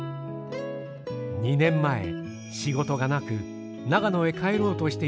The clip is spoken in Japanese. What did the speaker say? ２年前仕事がなく長野へ帰ろうとしていた